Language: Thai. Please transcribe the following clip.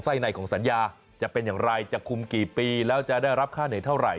ในของสัญญาจะเป็นอย่างไรจะคุมกี่ปีแล้วจะได้รับค่าเหนื่อยเท่าไหร